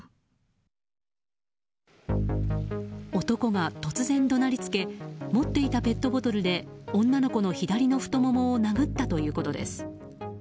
男が突然、怒鳴りつけ持っていたペットボトルで女の子の左の太ももを殴ったということです。